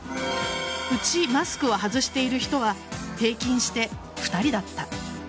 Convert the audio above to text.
うち、マスクを外している人は平均して２人だった。